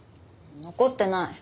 残ってない。